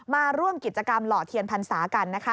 มาร่วมกิจกรรมหล่อเทียนภัณฑากัน